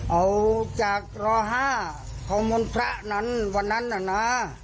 เอาจากตร๕ของมนต์พระนั้นวันนั้นน่ะนะ